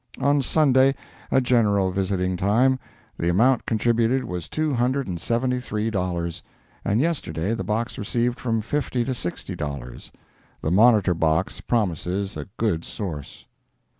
On Sunday, a general visiting time, the amount contributed was two hundred and seventy three dollars; and yesterday the box received from fifty to sixty dollars. The "Monitor Box" promises a good source.